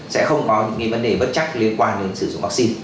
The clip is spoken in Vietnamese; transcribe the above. sẽ không có những vấn đề bất chắc liên quan đến sử dụng vaccine